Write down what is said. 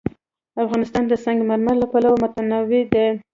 افغانستان د سنگ مرمر له پلوه متنوع دی.